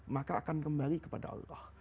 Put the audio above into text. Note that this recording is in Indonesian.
maka akan kembali kepada allah